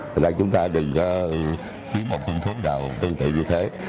thì là chúng ta đừng khiến một phương thuốc nào tương tự như thế